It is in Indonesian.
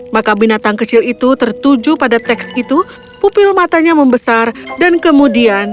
maka binatang kecil itu tertuju pada teks itu pupil matanya membesar dan kemudian